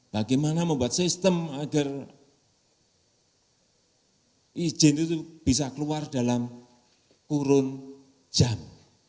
bagaimana membuat sistem agar izin itu bisa keluar dalam kurun jam